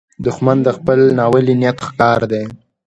دښمن د خپل ناولي نیت ښکار دی